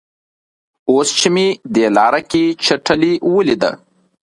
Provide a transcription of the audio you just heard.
اوس چې مې دې لاره کې چټلي ولیده.